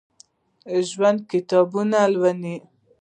ژوندي کتابونه لولي